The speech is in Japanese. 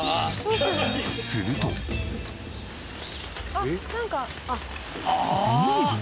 あっなんか。